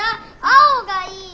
青がいい！